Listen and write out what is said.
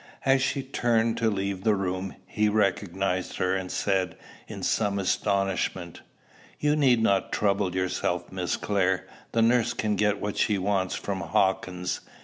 As she turned to leave the room, he recognized her, and said, in some astonishment, "You need not trouble yourself, Miss Clare. The nurse can get what she wants from Hawkins.